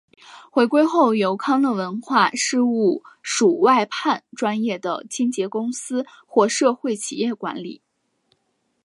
回归后由康乐文化事务署外判专业的清洁公司或社会企业管理。